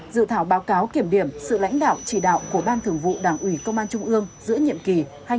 dự thảo báo cáo kiểm điểm sự lãnh đạo chỉ đạo của ban thường vụ đảng ủy công an trung ương giữa nhiệm kỳ hai nghìn hai mươi hai nghìn hai mươi năm